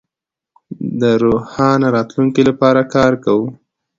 د روښانه راتلونکي لپاره کار کوو.